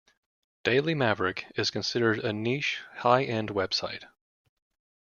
"Daily Maverick" is considered a niche, high-end website.